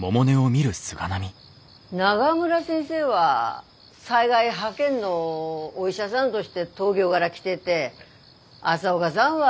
中村先生は災害派遣のお医者さんどして東京がら来てで朝岡さんは。